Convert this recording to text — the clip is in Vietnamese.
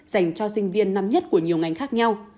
dành cho sinh viên năm nhất của nhiều ngành khác nhau